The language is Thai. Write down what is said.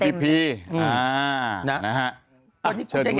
เชิญผู้ดำ